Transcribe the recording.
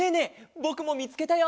ぼくもみつけたよ！